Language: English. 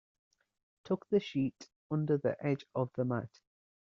Tuck the sheet under the edge of the mat.